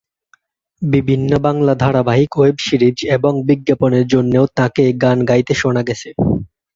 বিভিন্ন বাংলা ধারাবাহিক, web series এবং বিজ্ঞাপনের জন্যেও তাঁকে গান গাইতে শোনা গেছে।